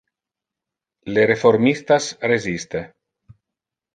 Le reformistas resiste.